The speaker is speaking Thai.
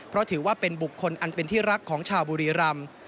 เพราะถือว่าเป็นบุคคลอันเป็นที่รักของชาวบุรีรำ